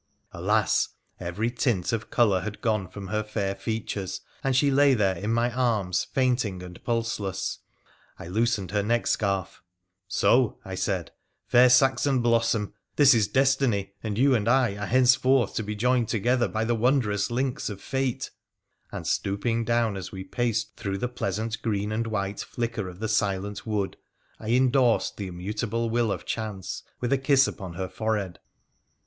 Alas ! every tint of colour had gone from her fair features, and she lay there in my arms, fainting and pulseless. I loosened her neckscarf. ' So !' I said, ' fair Saxon blossom, this is destiny, and you and I are henceforth to be joined together by the wondrous links of fate '— and, stooping down as we paced through the pleasant green and white flicker of the silent wood, I indorsed the immutable will of chance with a kiss upon her forehead.